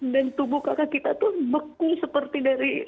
dan tubuh kakak kita itu beku seperti dari luka